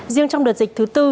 riêng trong đợt dịch thứ bốn